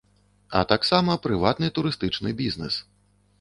А таксама прыватны турыстычны бізнэс.